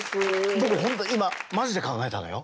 僕本当今マジで考えたのよ？